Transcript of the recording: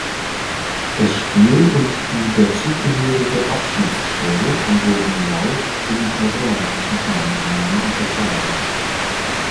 Das Spiel und die dazugehörige Abschieds-Show wurden live im peruanischen Fernsehen übertragenen.